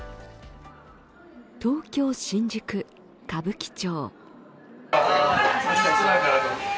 東京新宿・歌舞伎町。